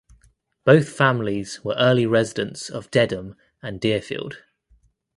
Both families were early residents of Dedham and Deerfield.